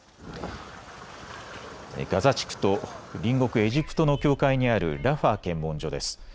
ガザ地区と隣国エジプトの境界にあるラファ検問所です。